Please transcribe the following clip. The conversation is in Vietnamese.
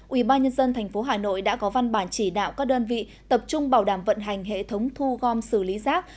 ủy ban nhân dân thành phố hà nội đã có văn bản chỉ đạo các đơn vị tập trung bảo đảm vận hành hệ thống thu gom xử lý rác